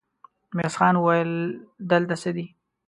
ميرويس خان وويل: دلته څه دي؟